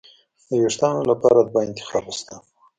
د وېښتانو لپاره دوه انتخابه شته.